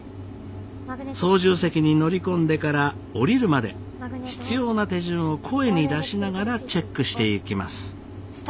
操縦席に乗り込んでから降りるまで必要な手順を声に出しながらチェックしていきます。